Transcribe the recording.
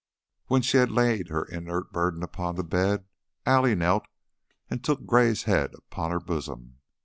When she had laid her inert burden upon the bed, Allie knelt and took Gray's head upon her bosom.